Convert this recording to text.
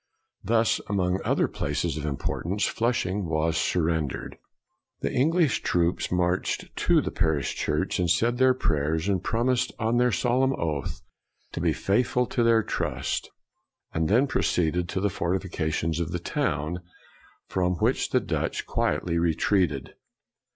Thus, among other places of importance, Flushing was surrendered. The English troops marched to the parish church and said their prayers, and promised, on their solemn oath, to be faithful to their trust, and then proceeded to the fortifications of the town, from which the Dutch quietly retreated.